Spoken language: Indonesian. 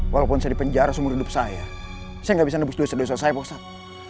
walaupun saya dipenjara seumur hidup saya saya gak bisa nebus dosa dosa saya pak ustadz